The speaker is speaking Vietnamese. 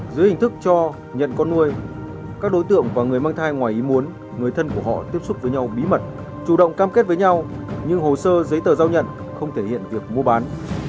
dưới hình thức cho nhận con nuôi các đối tượng và người mang thai ngoài ý muốn người thân của họ tiếp xúc với nhau bí mật chủ động cam kết với nhau nhưng hồ sơ giấy tờ giao nhận không thể hiện việc mua bán